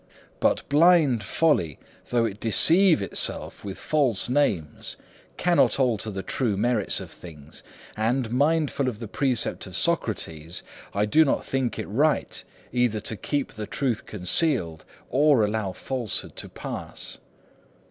But blind folly, though it deceive itself with false names, cannot alter the true merits of things, and, mindful of the precept of Socrates, I do not think it right either to keep the truth concealed or allow falsehood to pass.